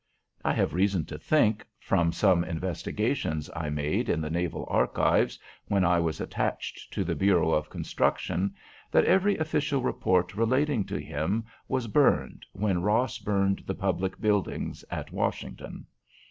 I have reason to think, from some investigations I made in the Naval Archives when I was attached to the Bureau of Construction, that every official report relating to him was burned when Ross burned the public buildings at Washington.